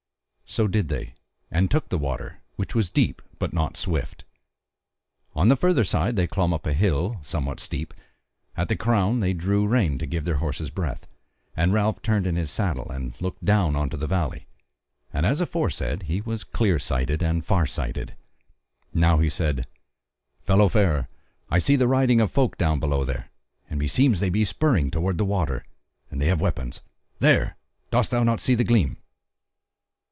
So did they, and took the water, which was deep, but not swift. On the further side they clomb up a hill somewhat steep; at the crown they drew rein to give their horses breath, and Ralph turned in his saddle and looked down on to the valley, and as aforesaid he was clear sighted and far sighted; now he said: "Fellow farer, I see the riding of folk down below there, and meseems they be spurring toward the water; and they have weapons: there! dost thou not see the gleam?"